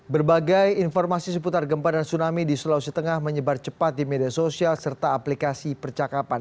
berbagai informasi seputar gempa dan tsunami di sulawesi tengah menyebar cepat di media sosial serta aplikasi percakapan